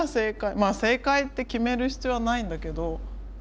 まあ正解って決める必要はないんだけど。